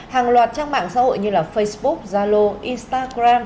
hàng loạt trang mạng xã hội như facebook zalo instagram